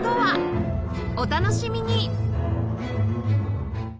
お楽しみに！